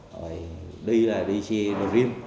rồi đi là đi xe đồ rim